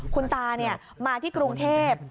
คุณตาเนี่ยมาที่กรุงเทพฯ